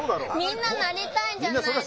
みんななりたいじゃないですか。